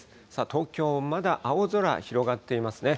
東京、まだ青空広がっていますね。